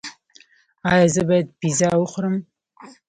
ایا زه باید پیزا وخورم؟